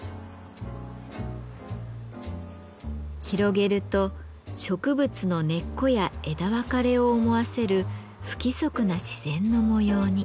広げると植物の根っこや枝分かれを思わせる不規則な自然の模様に。